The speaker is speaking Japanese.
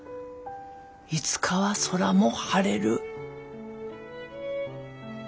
いつかは空も晴れる。